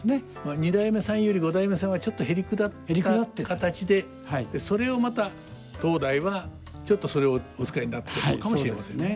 二代目さんより五代目さんはちょっとへりくだった形でそれをまた当代はちょっとそれをお使いになったのかもしれませんね。